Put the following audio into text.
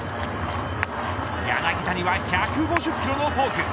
柳田には１５０キロのフォーク